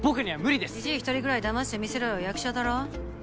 じじい１人ぐらいだましてみせろよ役者だろ。